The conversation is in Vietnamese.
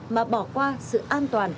mà bỏ qua sự an toàn